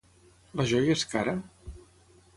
La joia és cara?